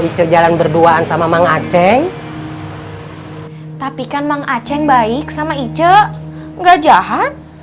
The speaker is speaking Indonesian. icet jalan berduaan sama mengaceng tapi kan mengaceng baik sama icet enggak jahat